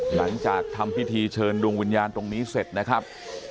หลังจากทำพิธีเชิญดวงวิญญาณตรงนี้เสร็จนะครับ